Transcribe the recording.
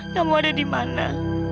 kamu ada dimana